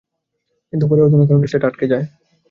কিন্তু পরে অজানা কারণে সেটা আটকে যায়।